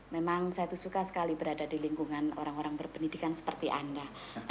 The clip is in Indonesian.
memang saya tuh suka sekali berada di lingkungan orang orang berpendidikan seperti anda